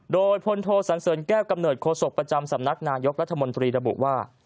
โดยพลโทสันเสริญแก้วกำเนิดโศกประจำสำนักนายกรัฐมนตรีระบุว่า